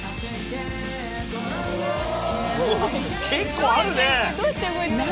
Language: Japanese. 結構あるね！長い。